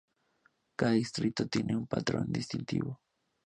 Cada distrito tiene un patrón distintivo.